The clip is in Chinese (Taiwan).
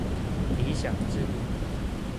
理想制度